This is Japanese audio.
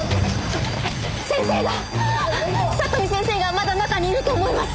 先生が里見先生がまだ中にいると思います。